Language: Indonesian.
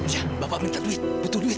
ya bapak minta duit butuh duit